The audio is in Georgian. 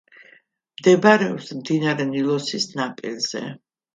მდებარეობს მდინარე ნილოსის ნაპირზე.